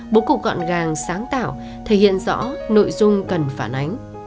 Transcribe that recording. bố cục gọn gàng sáng tạo thể hiện rõ nội dung cần phản ánh